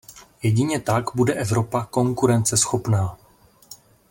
Jedině tak bude Evropa konkurenceschopná.